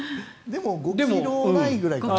でも５ｋｇないぐらい。